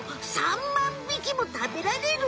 ３万匹も食べられる？